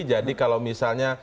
jadi kalau misalnya